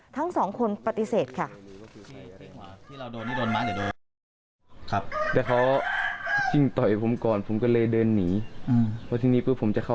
ทั้งสองคนปฏิเสธค่ะ